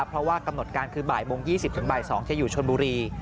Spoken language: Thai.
เพราะว่ากำหนดการคือบ่ายโมง๒๐ถึงบ่าย๒จะอยู่ชนบุรี